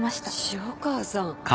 潮川さん